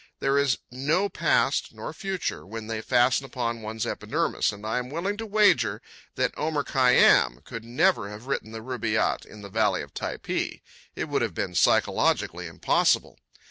There is no past nor future when they fasten upon one's epidermis, and I am willing to wager that Omer Khayyám could never have written the Rubáiyat in the valley of Typee—it would have been psychologically impossible.